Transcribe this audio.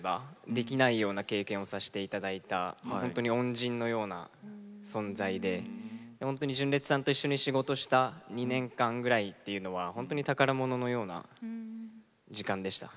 できないような経験をさせて頂いた恩人のような存在で純烈さんと一緒に仕事した２年間ぐらいっていうのは本当に宝物のような時間でした。